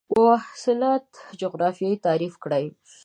مواصلات جغرافیه تعریف کړئ.